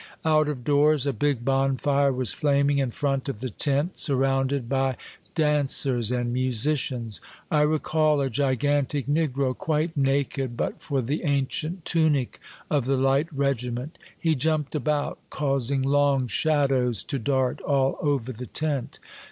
Out of doors a big bonfire was flaming in front of the tent, surrounded by dancers and musicians. I recall a gigantic negro, quite naked but for the ancient tunic of the hght regiment; he jumped about, causing long shadows to dart all over the tent.